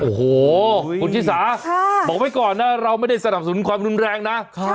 โอ้โหคุณชิสาบอกไว้ก่อนนะเราไม่ได้สนับสนุนความรุนแรงนะ